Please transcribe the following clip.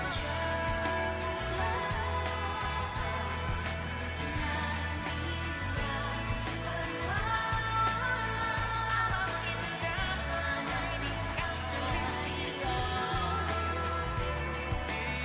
tuhan di atasku